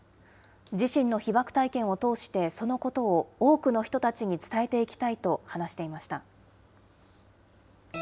自身の被爆体験を通して、そのことを多くの人たちに伝えていきたいと話していました。